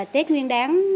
tết nguyên đáng